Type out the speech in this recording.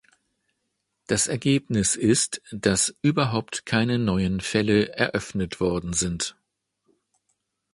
Das Ergebnis ist, dass überhaupt keine neuen Fälle eröffnet worden sind.